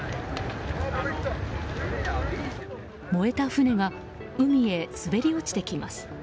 燃えた船が海へ滑り落ちてきます。